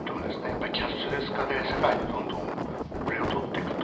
やっぱりキャッシュレス化で世界にどんどん後れを取ってくと。